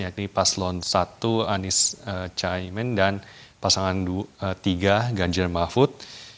yakni paslon satu anies caimin dan pasangan tiga ganjar mahfud